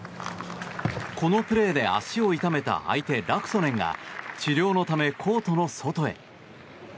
このプレーで足を痛めた相手ラクソネンが治療のためコートの外へ。